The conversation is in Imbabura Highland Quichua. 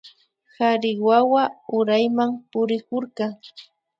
Kari wawa urayman purikurka